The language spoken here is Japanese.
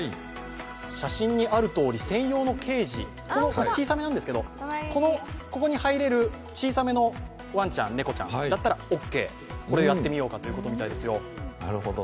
写真にあるとおり専用のケージ、小さめなんですけれども、ここに入れる小さめのワンちゃん、猫ちゃんだったらオッケー、これやってみようということみたいですよ。